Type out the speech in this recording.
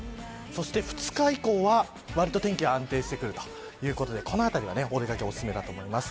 そして２日以降はわりと天気が安定してくるということでこのあたりがお出掛けおすすめです。